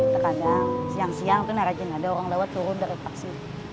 terkadang siang siang kan nara jin ada orang lewat turun dari paksi